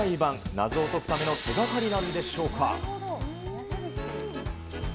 謎を解くための手掛かりなんでしょうか。